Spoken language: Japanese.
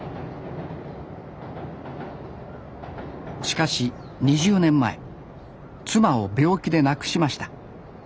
しかし２０年前妻を病気で亡くしました。